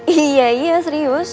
iya iya serius